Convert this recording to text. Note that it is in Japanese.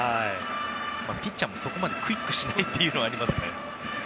ピッチャーもそこまでクイックしないというのはありますね。